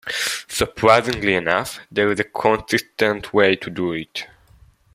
Surprisingly enough, there is a consistent way to do it.